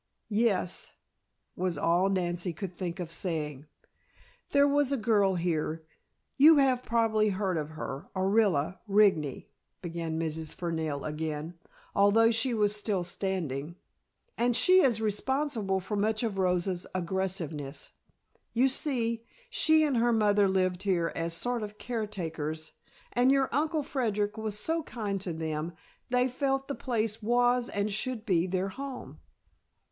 "Yes," was all Nancy could think of saying. "There was a girl here you have probably heard of her, Orilla Rigney," began Mrs. Fernell again, although she was still standing, "and she is responsible for much of Rosa's aggressiveness. You see, she and her mother lived here as sort of care takers, and your Uncle Frederic was so kind to them they felt the place was and should be their home.